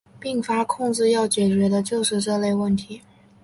并发控制要解决的就是这类问题。